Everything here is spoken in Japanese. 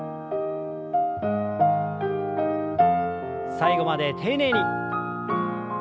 最後まで丁寧に。